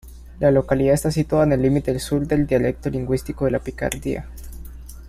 La localidad está situada en el límite sur del dialecto lingüístico de la Picardía.